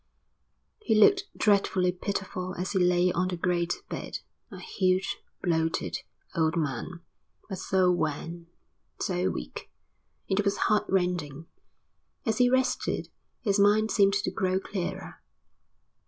He looked dreadfully pitiful as he lay on the great bed, a huge, bloated, old man; but so wan, so weak, it was heart rending. As he rested, his mind seemed to grow clearer.